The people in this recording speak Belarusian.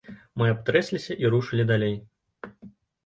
Мы абтрэсліся і рушылі далей.